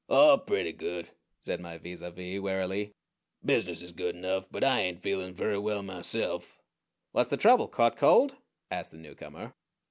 "Oh pretty good," said my vis à vis wearily. "Business is good enough; but I ain't feelin' very well myself." "What's the trouble caught cold?" asked the newcomer.